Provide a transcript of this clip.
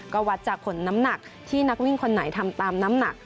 ก็วัดจากผลน้ำหนักที่นักวิ่งคนไหนทำตามน้ำหนัก